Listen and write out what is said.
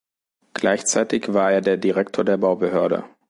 Gleichzeitig war er der Direktor der Baubehörde.